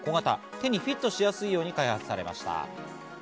手にフィットしやすいように開発されました。